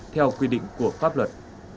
theo quy định của pháp luật